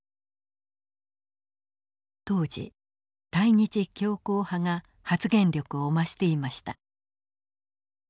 当時対日強硬派が発言力を増していました。